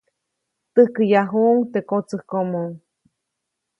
Täjkäyajuʼuŋ teʼ kotsäjkomo.